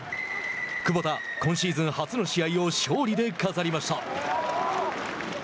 クボタ、今シーズン初の試合を勝利で飾りました。